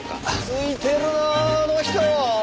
ついてるなあの人。